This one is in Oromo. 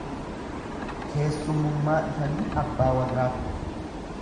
Keessummummaa dhufanii abbaa warraa ta'u.